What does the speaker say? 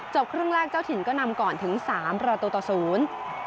จบครึ่งแรกเจ้าถิ่นก็นำก่อนถึง๓ประตูต่อ๐